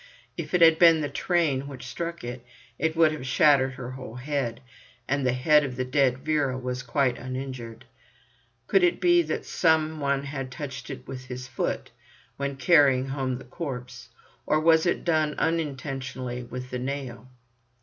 If it had been the train which struck it, it would have shattered her whole head, and the head of the dead Vera was quite uninjured. Could it be that some one had touched it with his foot when carrying home the corpse; or was it done unintentionally with the nail?